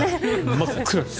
真っ暗です。